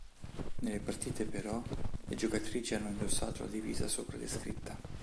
Nelle partite, però, le giocatrici hanno indossato la divisa sopra descritta.